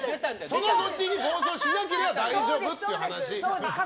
その後に暴走しなければ大丈夫って話。